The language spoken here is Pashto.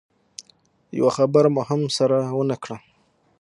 يوه خبره مو هم سره ونه کړه.